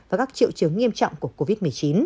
và các triệu chứng nghiêm trọng của covid một mươi chín